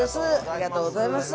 ありがとうございます。